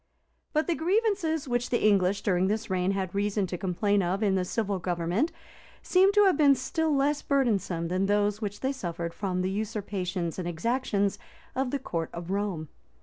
[] But the grievances which the English during this reign had reason to complain of in the civil government, seem to have been still less burdensome than those which they suffered from the usurpations and exactions of the court of Rome.